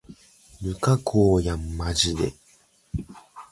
無加工やんまじで